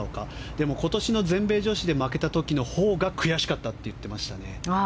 でも、今年の全米女子で負けた時のほうが悔しかったと言ってましたね。